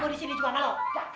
gue disini cuma nek